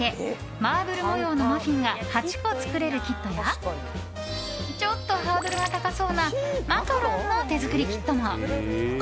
マーブル模様のマフィンが８個作れるキットやちょっとハードルが高そうなマカロンの手作りキットも。